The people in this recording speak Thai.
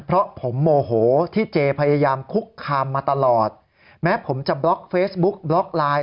เพราะผมโมโหที่เจพยายามคุกคามมาตลอดแม้ผมจะบล็อกเฟซบุ๊กบล็อกไลน์